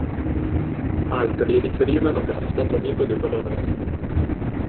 Altri riferivano che era stato amico dei loro nonni.